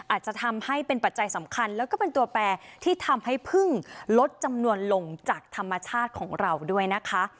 อาจจะทำให้เป็นปัจจัยสำคัญแล้วก็เป็นตัวแปรที่ทำให้พึ่งลดจำนวนลงจากธรรมชาติของเราด้วยนะคะ